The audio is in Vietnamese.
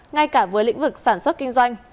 ngay cả với lĩnh vực sản xuất kinh doanh